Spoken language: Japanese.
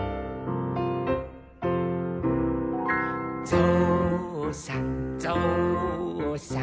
「ぞうさんぞうさん」